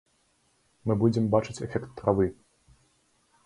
Мы будзем бачыць эфект травы.